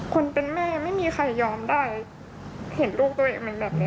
คนเป็นแม่ไม่มีใครยอมได้เห็นลูกตัวเองเป็นแบบนี้